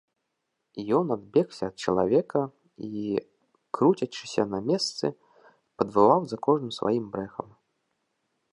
Ён адбегся ад чалавека і, круцячыся на месцы, падвываў за кожным сваім брэхам.